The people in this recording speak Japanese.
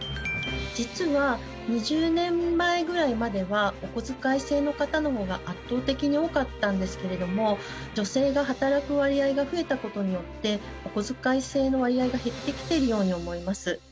実は２０年前ぐらいまではおこづかい制の方のほうが圧倒的に多かったんですけれども女性が働く割合が増えた事によっておこづかい制の割合が減ってきているように思います。